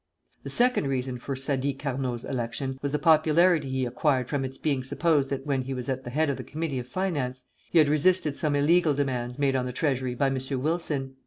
The second reason for Sadi Carnot's election was the popularity he acquired from its being supposed that when he was at the head of the Committee of Finance he had resisted some illegal demands made on the Treasury by M. Wilson.